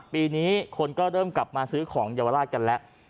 ปีนี้คนก็เริ่มกลับมาซื้อของเยาวราชกันแล้ว